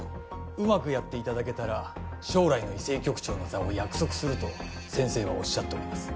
うまくやっていただけたら将来の医政局長の座を約束すると先生はおっしゃっております